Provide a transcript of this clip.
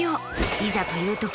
いざというとき